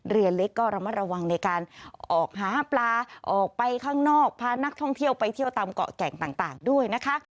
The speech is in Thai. เรือเล็กก็ระมัดระวังในการออกหาปลาออกไปข้างนอกพานักท่องเที่ยวไปเที่ยวตามเกาะแก่งต่างด้วยนะคะ